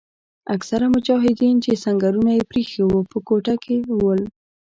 اکثره مجاهدین چې سنګرونه یې پریښي وو په کوټه کې وویل.